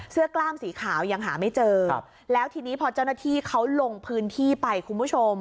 กล้ามสีขาวยังหาไม่เจอแล้วทีนี้พอเจ้าหน้าที่เขาลงพื้นที่ไปคุณผู้ชม